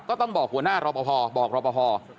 ต้องบอกหัวหน้ารอปภบอกรอปภ